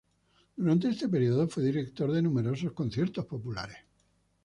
Durante ese período fue director de numerosos conciertos populares.